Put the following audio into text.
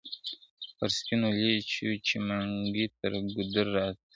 پر سپینو لېچو چي منګی تر ګودر تللی نه دی ,